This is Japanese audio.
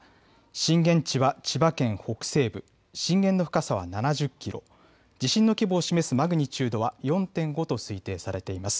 震源地は千葉県北西部、震源の深さは７０キロ、地震の規模を示すマグニチュードは４．５と推定されています。